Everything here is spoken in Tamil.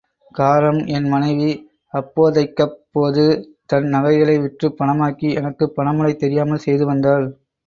காரணம் என் மனைவி அப்போதைக்கப்போது தன் நகைகளை விற்றுப் பணமாக்கி எனக்குப் பணமுடை தெரியாமல் செய்து வந்தாள்.